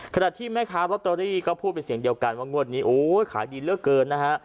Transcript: ขณะที่แม่ค้าลอตเตอรี่ก็พูดเป็นเสียงเดียวกันว่างวดนี้โอ้ยขายดีเหลือเกินนะฮะ